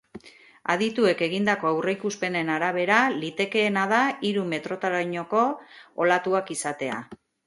Adituek egindako aurreikuspenen arabera, litekeena da hiru metrotarainoko olatuak izatea.